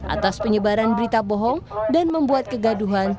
atas penyebaran berita bohong dan membuat kegaduhan